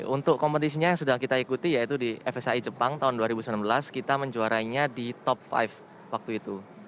untuk kompetisinya yang sudah kita ikuti yaitu di fsai jepang tahun dua ribu sembilan belas kita menjuarainya di top lima waktu itu